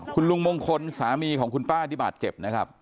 คุณลุงมงคลสามีของคุณป้าที่บาดเจ็บนะครับ